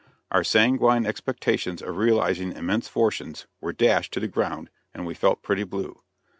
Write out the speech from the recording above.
Our sanguine expectations of realizing immense fortunes were dashed to the ground, and we felt pretty blue.